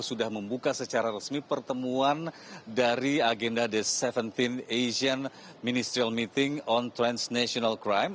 sudah membuka secara resmi pertemuan dari agenda the tujuh belas asian ministerial meeting on transnational crime